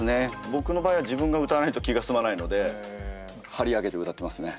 僕の場合は自分が歌わないと気が済まないので張り上げて歌ってますね。